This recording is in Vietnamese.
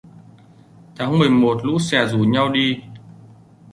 Tháng mười một lũ sẻ rủ nhau đi